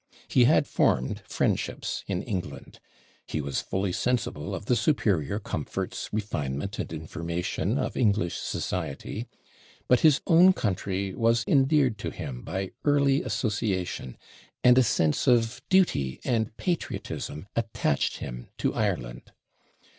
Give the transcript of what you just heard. He had formed friendships in England; he was fully sensible of the superior comforts, refinement, and information, of English society; but his own country was endeared to him by early association, and a sense of duty and patriotism attached him to Ireland.